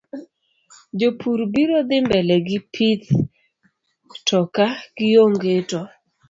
Jopur biro dhi mbele gi pith to ka gionge to